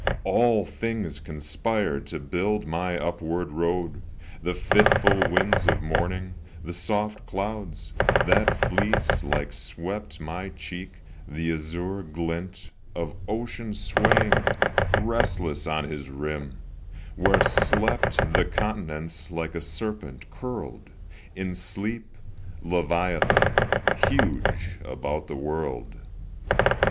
All things conspired to build my upward road: The fitful winds of morning, the soft clouds, That fleece like swept my cheek, the azure glint Of ocean swaying, restless, on his rim, Where slept the continents like a serpent curled In sleep, leviathan, huge, about the world.